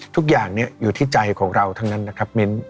ทุกอย่างอยู่ที่ใจของเราทั้งนั้นนะครับมิ้น